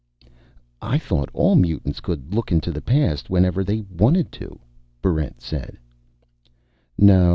"I thought all mutants could look into the past whenever they wanted to," Barrent said.